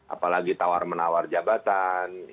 apalagi tawar menawar jabatan